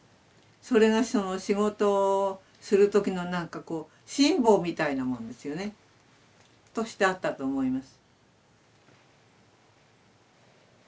それが仕事をする時のなんかこう心棒みたいなもんですよね。としてあったと思います。